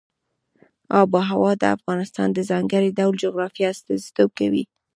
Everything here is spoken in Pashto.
آب وهوا د افغانستان د ځانګړي ډول جغرافیه استازیتوب کوي.